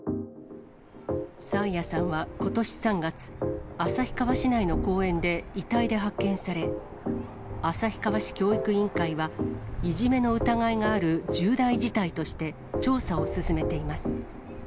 爽彩さんはことし３月、旭川市内の公園で遺体で発見され、旭川市教育委員会は、いじめの疑いがある重大事態として調査を進めています。